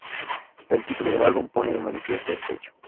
El título del álbum pone de manifiesto este hecho.